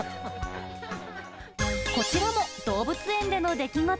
こちらも動物園での出来事。